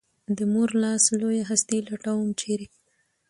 د مور لاس لویه هستي لټوم ، چېرې؟